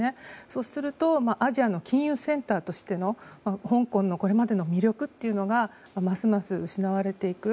そうするとアジアの金融センターとしての香港のこれまでの魅力というのがますます失われていく。